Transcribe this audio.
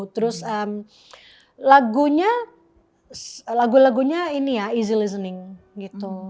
terus lagu lagunya ini ya easylis listening gitu